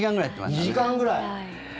２時間ぐらい！